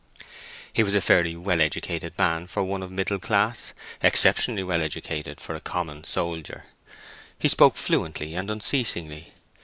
He was a fairly well educated man for one of middle class—exceptionally well educated for a common soldier. He spoke fluently and unceasingly.